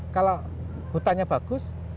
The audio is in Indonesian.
kalau hutannya bagus